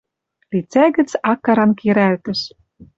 Лицӓ гӹц ак каранг йӹрӓлтӹш.